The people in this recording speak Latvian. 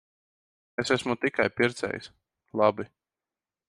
Es esmu tikai pircējs. Labi.